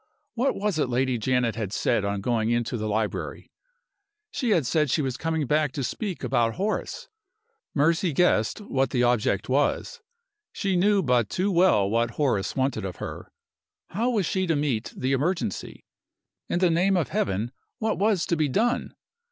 What was it Lady Janet had said on going into the library? She had said she was coming back to speak about Horace. Mercy guessed what the object was; she knew but too well what Horace wanted of her. How was she to meet the emergency? In the name of Heaven, what was to be done?